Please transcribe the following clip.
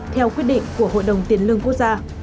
theo quyết định của hội đồng tiền lương quốc gia